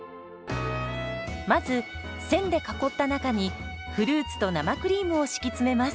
まず線で囲った中にフルーツと生クリームを敷き詰めます。